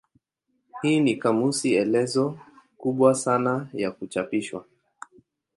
Hii ni kamusi elezo kubwa sana ya kuchapishwa.